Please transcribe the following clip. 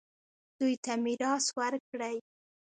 دوی ته میراث ورکړئ